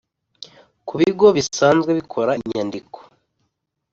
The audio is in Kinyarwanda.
Ku bigo bisanzwe bikora inyandiko